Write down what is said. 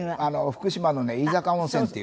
福島のね飯坂温泉っていう。